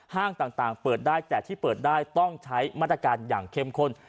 ห้างต่างเปิดได้แต่ที่เปิดได้ต้องใช้มาตรการอย่างเข้มข้น